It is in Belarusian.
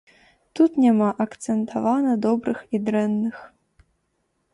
Тут няма акцэнтавана добрых і дрэнных.